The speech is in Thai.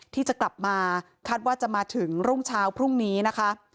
ที่จะกลับมาคาดว่าจะมาถึงรุ่งเช้าพรุ่งนี้นะคะ